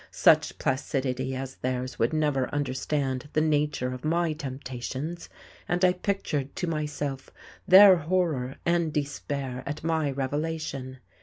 Such placidity as theirs would never understand the nature of my temptations, and I pictured to myself their horror and despair at my revelation.